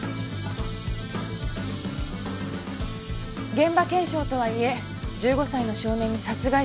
現場検証とはいえ１５歳の少年に殺害シーンを。